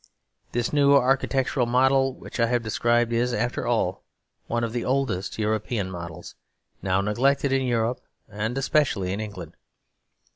This new architectural model, which I have described, is after all one of the oldest European models, now neglected in Europe and especially in England.